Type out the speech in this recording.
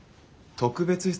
特別室？